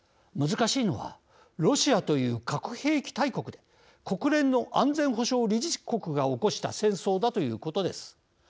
難しいのは、ロシアという核兵器大国で国連の安全保障理事国が起こした戦争だということです。